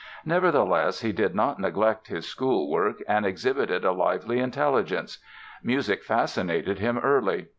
Nevertheless, he did not neglect his school work and exhibited a lively intelligence. Music fascinated him early.